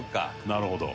なるほど。